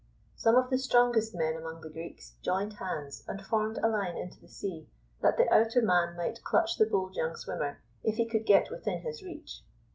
Some of the strongest men among the Greeks joined hands and formed a line into the sea, that the outer man might clutch the bold young swimmer if he could get within his reach.